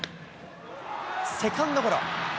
セカンドゴロ。